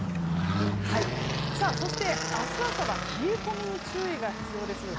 そして、明日朝は冷え込みに注意が必要です。